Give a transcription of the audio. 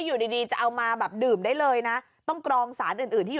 ย่ารวย